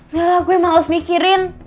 gak lah gue males mikirin